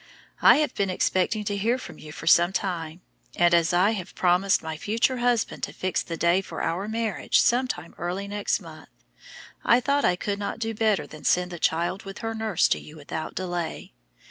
I have been expecting to hear from you for some time, and as I have promised my future husband to fix the day for our marriage some time early next month, I thought I could not do better than send the child with her nurse to you without delay.